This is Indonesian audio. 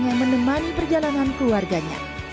yang menemani perjalanan keluarganya